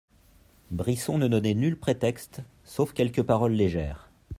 Brisson ne donnait nul prétexte, sauf quelques paroles légères.